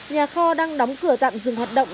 nhà kho đang đóng cửa tạm dừng hoạt động